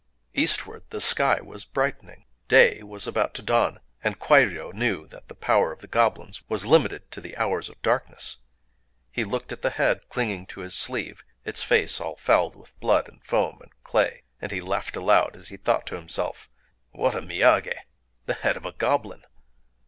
Eastward the sky was brightening; day was about to dawn; and Kwairyō knew that the power of the goblins was limited to the hours of darkness. He looked at the head clinging to his sleeve,—its face all fouled with blood and foam and clay; and he laughed aloud as he thought to himself: "What a miyagé!—the head of a goblin!"